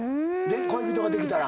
恋人ができたら。